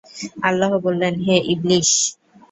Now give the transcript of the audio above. আল্লাহ বললেন, হে ইবলীস!